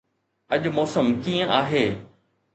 اڄ موسم ڪيئن آهي؟